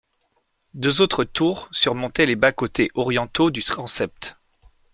Deux autres tours surmontaient les bas-côtés orientaux du transept.